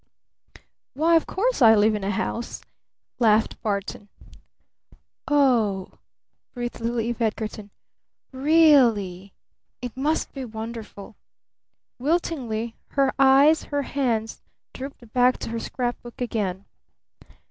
"Why, of course I live in a house," laughed Barton. "O h," breathed little Eve Edgarton. "Re ally? It must be wonderful." Wiltingly her eyes, her hands, drooped back to her scrap book again.